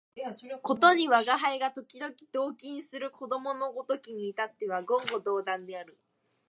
ことに吾輩が時々同衾する子供のごときに至っては言語道断である